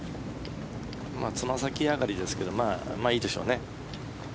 つま先上がりですけどまあいいでしょうね。